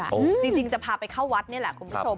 จริงจะพาไปเข้าวัดนี่แหละคุณผู้ชม